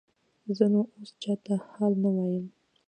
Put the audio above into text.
زه نو اوس چاته حال نه وایم.